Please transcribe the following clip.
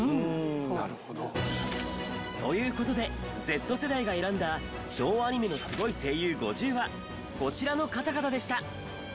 なるほど。という事でＺ世代が選んだ昭和アニメのスゴい声優５０はこちらの方々でした。